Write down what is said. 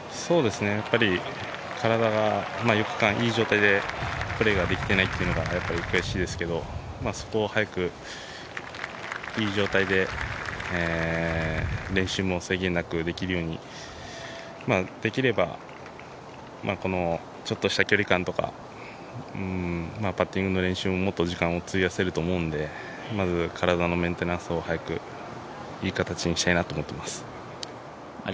体が４日間いい状態でプレーができていないというのが悔しいですけどそこを早くいい状態で練習も制限なくできるように、できればちょっとした距離感とかパッティングの練習ももっと時間を費やせると思うのでまずは体のメンテナンスをいい形にしたいなと思ってます。